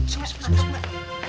sumpah sumpah sumpah